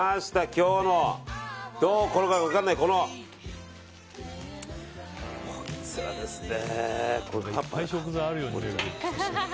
今日の、どう転ぶか分かんないこいつらですね。